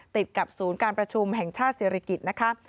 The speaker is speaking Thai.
ติดกับศูนย์การประชุมแห่งชาติศิริกิจนะคะ